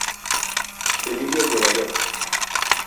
Delirio de Nueva York